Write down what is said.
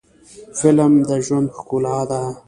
فلم د ژوند ښکلا ده